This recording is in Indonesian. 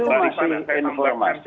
ya saya dapat informasi